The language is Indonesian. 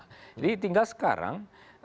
jadi tinggal sekarang